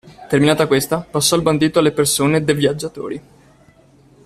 Terminata questa, passò il bandito alle persone de' viaggiatori.